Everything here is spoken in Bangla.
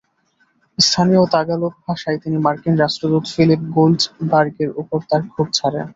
স্থানীয় তাগালগ ভাষায় তিনি মার্কিন রাষ্ট্রদূত ফিলিপ গোল্ডবার্গের ওপর তাঁর ক্ষোভ ঝাড়েন।